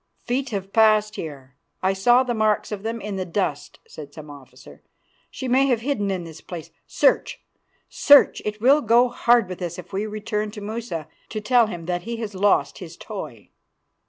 "'Feet have passed here; I saw the marks of them in the dust,' said the officer. 'She may have hidden in this place. Search! Search! It will go hard with us if we return to Musa to tell him that he has lost his toy.